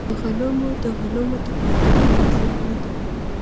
په غنمو د غنمو تبادله لازمه نه ده.